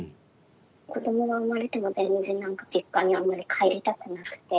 子どもが産まれても全然何か実家にあんまり帰りたくなくて。